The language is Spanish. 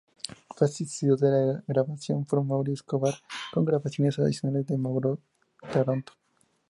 Fue asistido en la grabación por Mauricio Escobar, con grabaciones adicionales de Mauro Taranto.